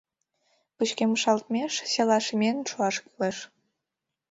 Пычкемышалтмеш, селаш миен шуаш кӱлеш.